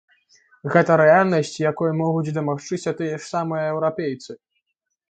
Гэта рэальнасць, якой могуць дамагчыся тыя ж самыя еўрапейцы.